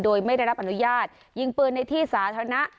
โดยไม่ได้รับอนุญาตยิงปืนในที่สาธารณะ